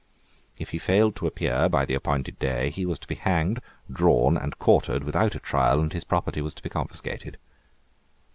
If he failed to appear by the appointed day, he was to be hanged, drawn, and quartered without a trial, and his property was to be confiscated.